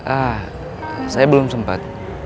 ah saya belum sempat